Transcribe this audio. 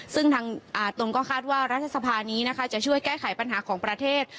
ซึ่งทางตนก็คาดว่ารัฐสภานี้นะคะจะช่วยแก้ไขปัญหาของประเทศ